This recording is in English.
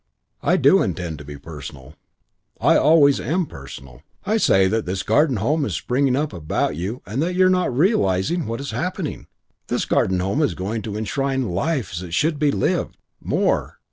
I do intend to be personal. I always am personal. I say that this Garden Home is springing up about you and that you are not realising what is happening. This Garden Home is going to enshrine life as it should be lived. More.